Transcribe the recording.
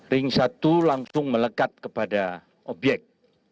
ring satu langsung melekat kepada obyek